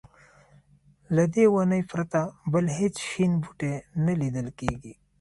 له دې ونې پرته بل هېڅ شین بوټی نه لیدل کېږي.